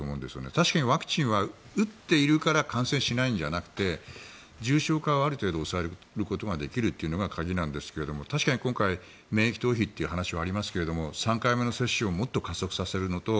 確かにワクチンは打っているから感染しないんじゃなくて重症化をある程度抑えることができるというのが鍵なんですが確かに今回、免疫逃避という話がありますが３回目の接種をもっと加速させるのと